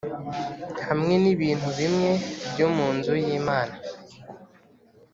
hamwe n’ibintu bimwe byo mu nzu y’Imana